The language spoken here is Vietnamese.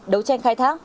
đấu tranh khai thác